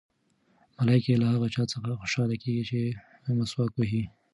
ملایکې له هغه چا څخه خوشحاله کېږي چې مسواک وهي.